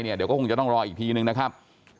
เดี๋ยวก็คงจะต้องรออีกทีนึงนะครับ